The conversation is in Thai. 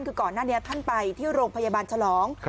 คือก่อนหน้านี้ท่านไปที่โรงพยาบาลฉลอง